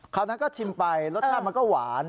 นั้นก็ชิมไปรสชาติมันก็หวาน